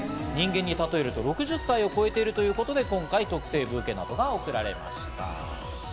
人間に例えると６０歳を超えているということで今回、特製ブーケなどが贈られました。